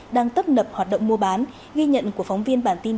đang tấp nập hoạt động mua bán ghi nhận của phóng viên bản tin